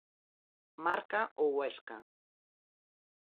Marca o Huesca.